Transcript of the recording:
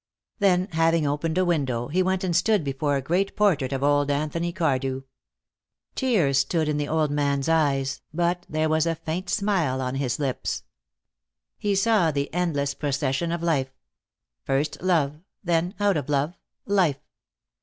Then, having opened a window, he went and stood before a great portrait of old Anthony Cardew. Tears stood in the old man's eyes, but there was a faint smile on his lips. He saw the endless procession of life. First, love. Then, out of love, life.